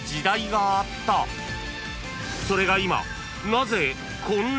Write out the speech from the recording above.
［それが今］